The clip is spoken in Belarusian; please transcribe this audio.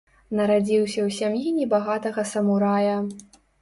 Нарадзіўся ў сям'і небагатага самурая.